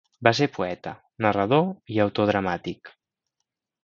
Va ser poeta, narrador i autor dramàtic.